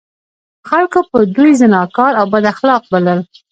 خلکو به دوی زناکار او بد اخلاق بلل.